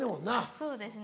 そうですね。